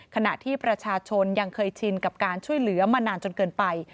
ขณะที่ประชาชนยังเคยชินกับการช่วยเหลือมานานจนเกินไป